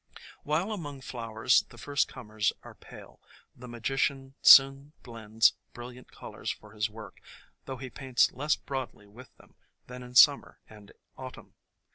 While among flowers the first comers are pale, the Magician soon blends brilliant colors for his work, though he paints less broadly with them than in summer and autumn.